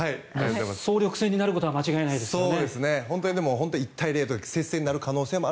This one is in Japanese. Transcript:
総力戦になることは間違いないですね。